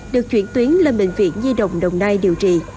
được chuyển tuyến lên bệnh viện nhi đồng đồng nai điều trị